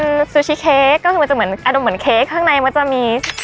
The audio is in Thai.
อันนี้จะเป็นซูชิเค้กก็จะเหมือนอารมณ์เหมือนเค้กข้างในมันจะมี